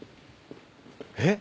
えっ？